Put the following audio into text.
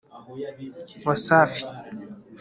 Wasfi